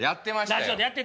ラジオでやってた。